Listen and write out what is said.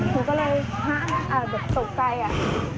หนูก็เลยห้ะอ่ะตกใกล้อะ